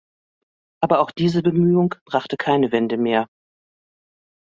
Aber auch diese Bemühung brachte keine Wende mehr.